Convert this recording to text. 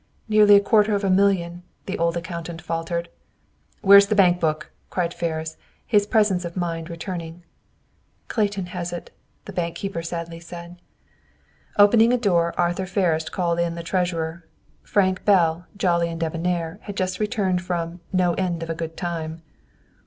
"Nearly a quarter of a million!" the old accountant faltered. "Where's the bank book?" cried Ferris, his presence of mind returning. "Clayton has it," the bookkeeper sadly said. Opening a door, Arthur Ferris called in the treasurer. Frank Bell, jolly and debonnair, had just returned from "no end of a good time."